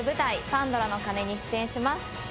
「パンドラの鐘」に出演します